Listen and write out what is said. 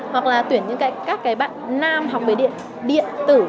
hoặc là tuyển các bạn nam học về điện điện tử